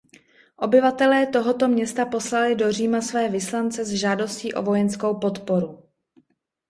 Obyvatelé tohoto města poslali do Říma své vyslance s žádostí o vojenskou podporu.